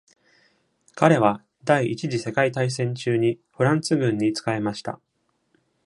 彼は、第一次世界大戦中にフランス軍に仕えました。